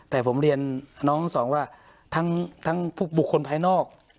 แต่ผมเรียนน้องทั้งสองว่าทั้งบุคคลภายนอก